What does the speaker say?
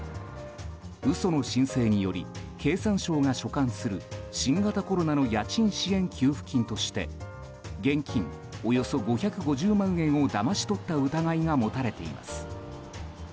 嘘の申請により経産省が所管する新型コロナの家賃支援給付金として現金およそ５５０万円をだまし取った疑いが持たれています。